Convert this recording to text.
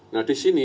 nah di sini